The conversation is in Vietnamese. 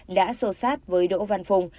đã sâu sát với đỗ văn phùng